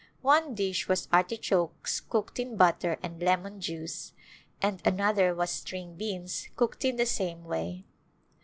One dish was artichokes cooked in butter and lemon juice, and another was string beans cooked in the same way.